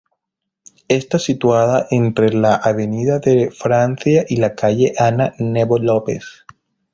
Está situada entre la avenida de Francia y la calle Ana Nebot López.